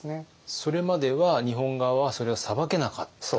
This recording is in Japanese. それまでは日本側はそれを裁けなかった。